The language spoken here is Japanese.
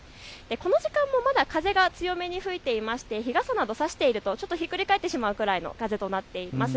この時間もまだ風が強めに吹いていまして日傘など差しているとひっくり返ってしまうくらいの風となっています。